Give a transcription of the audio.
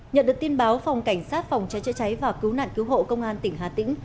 nhận được tin báo phòng cảnh sát phòng cháy chữa cháy và cứu nạn cứu hộ công an tỉnh hà tĩnh